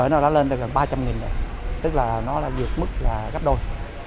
nó đã lên tới gần ba trăm linh này tức là nó đã diệt mức là gấp đôi